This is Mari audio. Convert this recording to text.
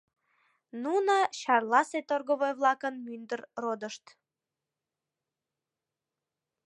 Нуно — Чарласе торговой-влакын мӱндыр родышт.